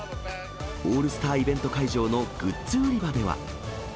オールスターイベント会場のグッズ売り場では。